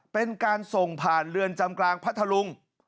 เป็นการส่งผ่านเรือนจำกลางพัทธลุง